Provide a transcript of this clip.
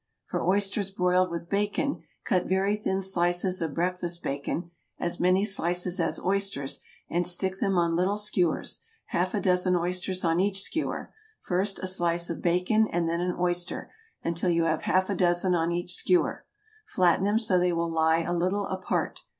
For oysters broiled with bacon, cut very thin slices of breakfast bacon, as many slices as oysters, and stick them on little skewers, half a dozen oysters on each skewer, first a slice of bacon and then an oyster, until you have half a dozen on each skewer. Flatten them so that they will lie a little apart.